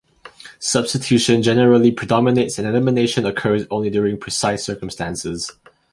Substitution generally predominates and elimination occurs only during precise circumstances.